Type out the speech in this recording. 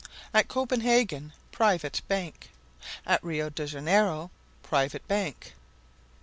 At Copenhagen, Private Bank. At Rio de Janeiro, Private Bank.